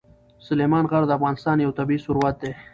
سلیمان غر د افغانستان یو طبعي ثروت دی.